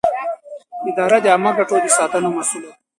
اداره د عامه ګټو د ساتنې مسووله ده.